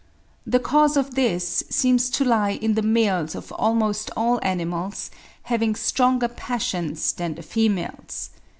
The cause of this seems to lie in the males of almost all animals having stronger passions than the females.